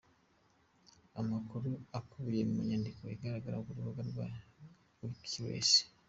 Amakuru akubiye mu nyandiko igaragara ku rubuga rwa wikileaks.